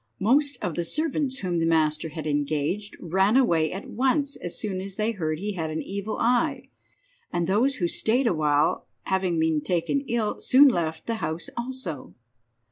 Most of the servants whom the master had engaged ran away at once as soon as they heard he had an evil eye, and those who stayed a while, having been taken ill, soon left the house also.